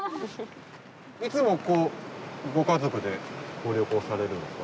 いつもこうご家族でご旅行されるんですか？